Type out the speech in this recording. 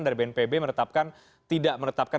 dari bnpb menetapkan tidak menetapkan